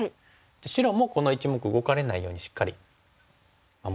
白もこの１目動かれないようにしっかり守っておいて。